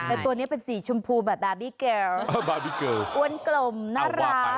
แต่ตัวนี้เป็นสีชมพูแบบบาร์บีเกลบาร์บีเกลอ้วนกลมน่ารัก